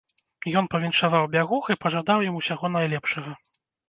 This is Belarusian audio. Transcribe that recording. Ён павіншаваў бягух і пажадаў ім усяго найлепшага.